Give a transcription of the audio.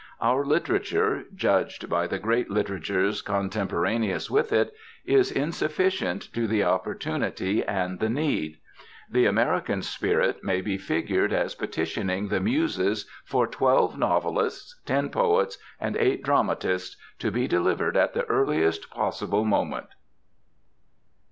Our literature, judged by the great literatures contemporaneous with it, is insufficient to the opportunity and the need. The American Spirit may be figured as petitioning the Muses for twelve novelists, ten poets, and eight dramatists, to be delivered at the earliest possible moment.